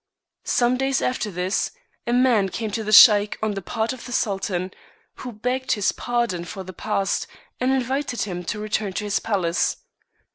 Some days after this, a man came to the Sheik on the part of the Sultan, who begged his pardon for the past, and invited him to return to his palace.